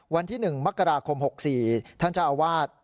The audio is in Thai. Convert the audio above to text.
วันที่๑มกราคม๖๔ท่านเจ้าอาวาส